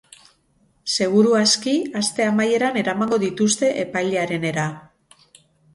Seguru aski, aste amaieran eramango dituzte epailearenera.